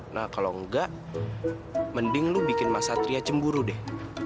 nah kalau enggak mending lu bikin mas satria cemburu deh